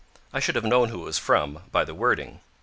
I should have known who it was from by the wording.